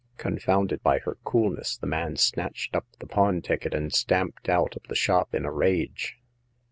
Confounded by her coolness, the man snatched up the pawn ticket, and stamped out of the shop in a rage.